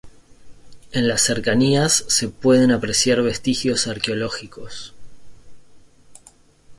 En las cercanías se pueden apreciar vestigios arqueológicos.